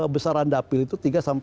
besaran dapil itu tiga enam